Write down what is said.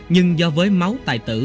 nhưng do với máu tài tử